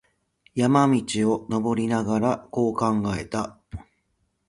山路を登りながら、こう考えた。